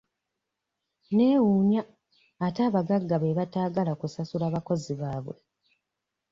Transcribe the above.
Neewuunya ate abagagga be bataagala kusasula bakozi baabwe.